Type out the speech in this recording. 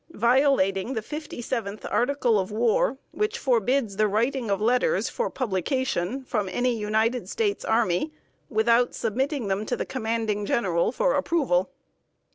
Violating the fifty seventh Article of War, which forbids the writing of letters for publication from any United States army without submitting them to the commanding general for approval.